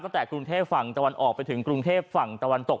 กรุงเทพฝั่งตะวันออกไปถึงกรุงเทพฝั่งตะวันตก